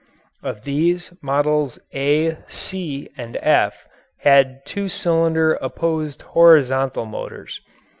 Of these, Models "A," "C," and "F" had two cylinder opposed horizontal motors.